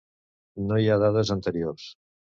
No hi ha dades anteriors.